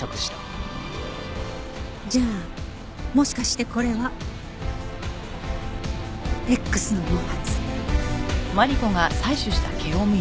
じゃあもしかしてこれはＸの毛髪。